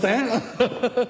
ハハハッ！